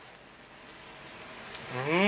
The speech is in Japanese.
うん！